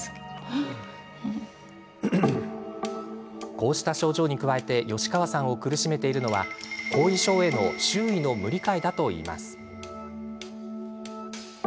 こうした症状に加えて吉川さんを苦しめているのは後遺症への周囲の無理解だといいます。